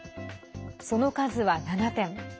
その数は７点。